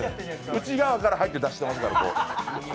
内側から入って出してますから、こう。